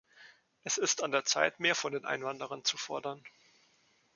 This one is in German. Es ist an der Zeit, mehr von den Einwanderern zu fordern.